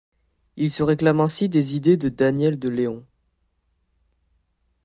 Il se réclame ainsi des idées de Daniel De Leon.